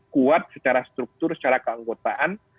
kuat secara struktur secara keanggotaan